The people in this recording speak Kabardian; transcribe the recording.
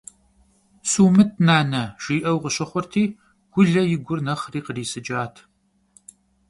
«Сумыт, нанэ!», – жиӀэу къыщыхъурти, Гулэ и гур нэхъри кърисыкӀат.